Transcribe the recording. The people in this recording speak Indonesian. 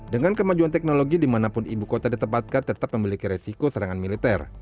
dengan kemajuan teknologi dimanapun ibu kota ditempatkan tetap memiliki resiko serangan militer